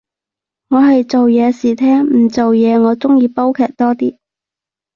我係做嘢時聽，唔做嘢我鍾意煲劇多啲